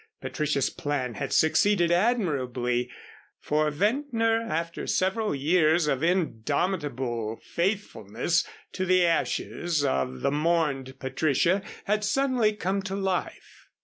Patricia's plan had succeeded admirably, for Ventnor, after several years of indomitable faithfulness to the ashes of the mourned Patricia, had suddenly come to life.